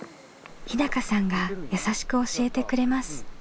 日さんが優しく教えてくれます。